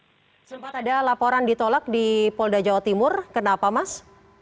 sempat ada laporan ditolak di polda jawa timur kenapa mas